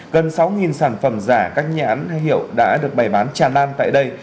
gần sáu sản phẩm giả các nhãn hiệu đã được bày bán tràn lan tại đây